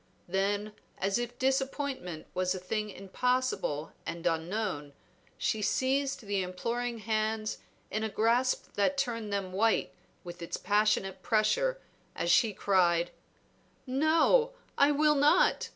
Then as if disappointment was a thing impossible and unknown, she seized the imploring hands in a grasp that turned them white with its passionate pressure as she cried "No, I will not!